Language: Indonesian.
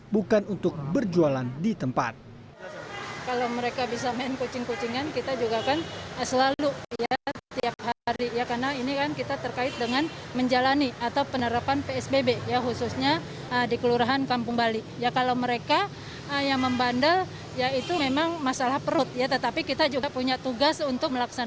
bukan untuk berjualan di tempat